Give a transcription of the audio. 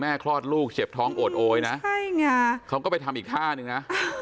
คลอดลูกเจ็บท้องโอดโอยนะใช่ไงเขาก็ไปทำอีกท่านึงนะ